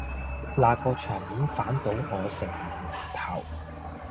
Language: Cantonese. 那個場面反倒我成了老頭